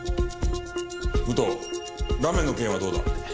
武藤ラメの件はどうだ？